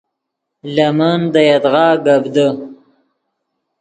لے من دے یدغا گپ دے